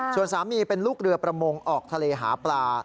ส่วนสามีเป็นลูกเรือประมงออกทะเลหาปลา